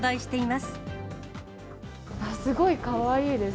すごいかわいいです。